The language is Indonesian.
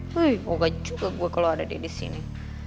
woy enggak juga gue kalau ada dia di sini